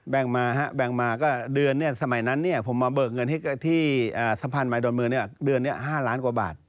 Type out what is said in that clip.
แบ่งมาฮะแบ่งมาก็เดือนเนี่ยสมัยนั้นเนี่ยผมมาเบิกเงินที่สัมพันธ์มายดรมือเนี่ยเดือนเนี่ย๕ล้านกว่าบาท